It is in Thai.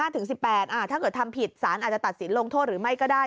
ถ้าเกิดทำผิดสารอาจจะตัดสินลงโทษหรือไม่ก็ได้